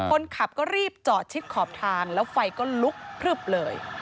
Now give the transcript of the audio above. คนขับก็รีบจอดชิดขอบทางแล้วไฟก็ลุกพลึบเลย